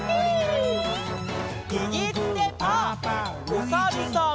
おさるさん。